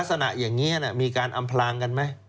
ลักษณะอย่างนี้มีการอำพลางกันไหม